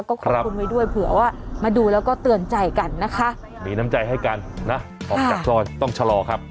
ก็ขอบคุณไว้ด้วยเผื่อว่ามาดูแล้วก็เตือนใจกันนะคะมีน้ำใจให้กันนะออกจากซอยต้องชะลอครับ